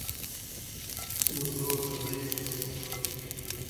مږور د زوی مېرمني ته ويل کيږي.